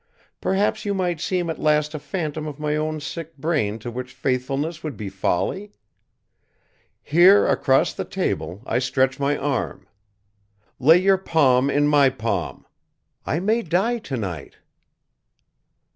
Perhaps you might seem at last a phantom of my own sick brain to which faithfulness would be folly? Here across the table I stretch my arm. Lay your palm in my palm. I may die tonight."